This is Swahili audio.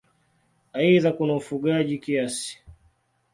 Aidha kuna ufugaji kiasi.